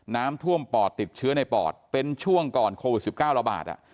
น้ำท่วมปอดติดเชื้อในปอดเป็นช่วงก่อนโควิด๑๙ระบาด